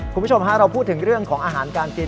คุณผู้ชมฮะเราพูดถึงเรื่องของอาหารการกิน